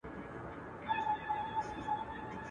په مجلس نه مړېدل سره خواږه وه.